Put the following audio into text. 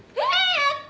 やった。